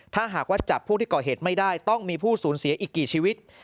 ถ้าหากว่าจับผู้ที่ก่อเหตุไม่ได้ต้องมีผู้สูญเสียอีกกี่ชีวิต